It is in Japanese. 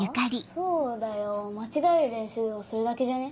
そうだよ間違える練習をするだけじゃね？